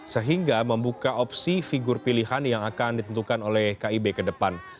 sehingga membuka opsi figur pilihan yang akan ditentukan oleh kib ke depan